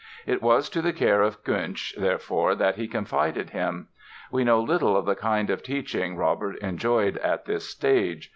It was to the care of Kuntzsch, therefore, that he confided him. We know little of the kind of teaching Robert enjoyed at this stage.